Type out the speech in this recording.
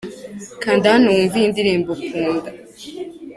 Kanda hano wumve iyi ndirimbo 'Punda'.